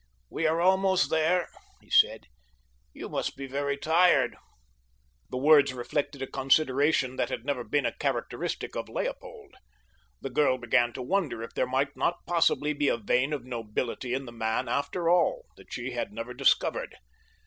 "We are almost there," he said. "You must be very tired." The words reflected a consideration that had never been a characteristic of Leopold. The girl began to wonder if there might not possibly be a vein of nobility in the man, after all, that she had never discovered.